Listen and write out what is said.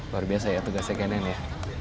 luar biasa ya tugasnya k sembilan ya